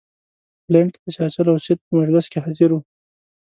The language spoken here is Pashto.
بلنټ د چرچل او سید په مجلس کې حاضر وو.